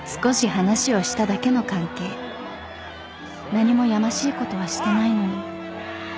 ［何もやましいことはしてないのに］